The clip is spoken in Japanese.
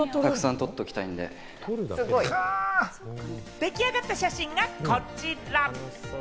出来上がった写真がこちら！